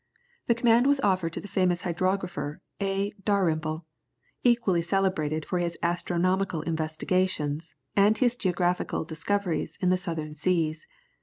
The command was offered to the famous hydrographer A. Dalrymple, equally celebrated for his astronomical investigations, and his geographical discoveries in the southern seas.